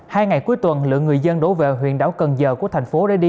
hai ngày cuối tuần lượng người dân đổ về huyện đảo cần giờ của thành phố reddy